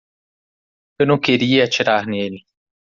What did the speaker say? Eu não queria atirar nele.